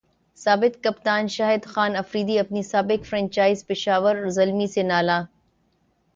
سابق کپتان شاہد خان فریدی اپنی سابق فرنچائز پشاور زلمی سے نالاں